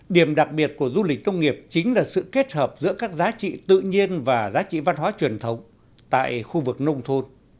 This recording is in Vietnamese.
điểm đặc biệt của du lịch công nghiệp chính là sự kết hợp giữa các giá trị tự nhiên và giá trị văn hóa truyền thống tại khu vực nông thôn